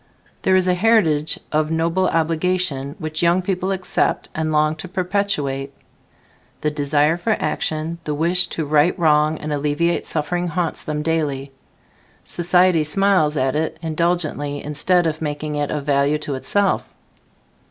There is a heritage of noble obligation which young people accept and long to perpetuate. The desire for action, the wish to right wrong and alleviate suffering haunts them daily. Society smiles at it indulgently instead of making it of value to itself.